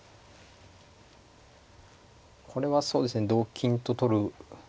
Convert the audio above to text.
これはそうですね同金と取ると思います。